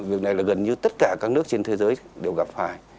việc này là gần như tất cả các nước trên thế giới đều gặp phải